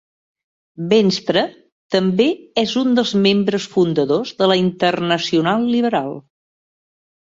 Venstre també és un dels membres fundadors de la Internacional Liberal.